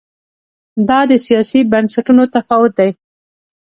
دا د سیاسي بنسټونو تفاوت دی.